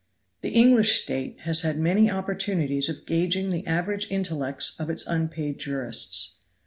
The English State has had many opportunities of gauging the average intellects of its unpaid jurists.